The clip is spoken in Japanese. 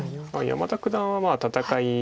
山田九段は戦い